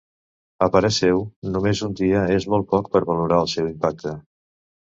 A parer seu, només un dia és molt poc per valorar el seu impacte.